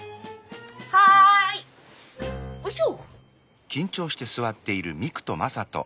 はい！よいしょ！